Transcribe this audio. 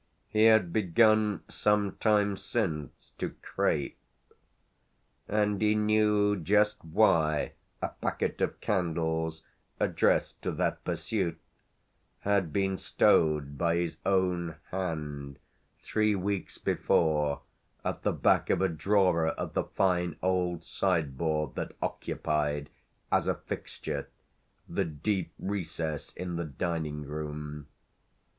He had begun some time since to "crape," and he knew just why a packet of candles addressed to that pursuit had been stowed by his own hand, three weeks before, at the back of a drawer of the fine old sideboard that occupied, as a "fixture," the deep recess in the dining room.